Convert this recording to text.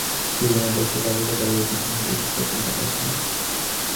সিঁড়ির মাথায় একটি বালিকা দাঁড়িয়ে তীক্ষ্ণ দৃষ্টিতে তাঁর দিকে তাকিয়ে আছে।